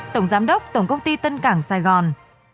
tổng giám đốc tổng công ty tân cảng sài gòn